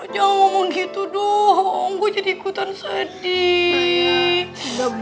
jangan ngomong gitu duh gue jadi ikutan sedih